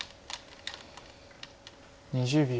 ２０秒。